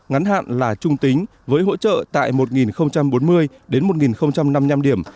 ngắn hạn là trung tính với hỗ trợ tại một bốn mươi đến một năm mươi năm điểm